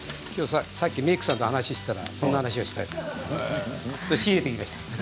さっきメークさんと話をしていたら、そんな話をしていました。